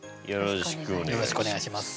よろしくお願いします。